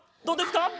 どうですか？